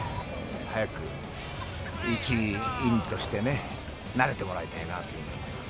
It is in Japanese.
早く一員として、慣れてもらいたいなというふうに思います。